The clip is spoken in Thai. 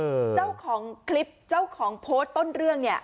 เจ้าของคลิปเจ้าของโพสต์ต้นเรื่องเนี่ย